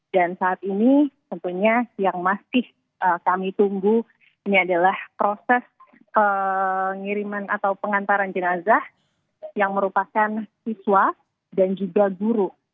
dan saat ini tentunya yang masih kami tunggu ini adalah proses pengiriman atau pengantaran jenazah yang merupakan siswa dan juga guru